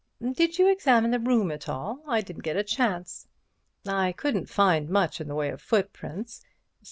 "Did you examine the room at all? I didn't get a chance." "I couldn't find much in the way of footprints.